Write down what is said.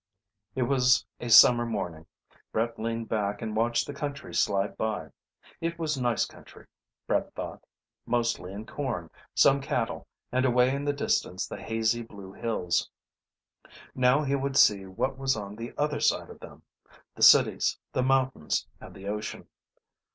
It was a summer morning. Brett leaned back and watched the country slide by. It was nice country, Brett thought; mostly in corn, some cattle, and away in the distance the hazy blue hills. Now he would see what was on the other side of them: the cities, the mountains, and the ocean.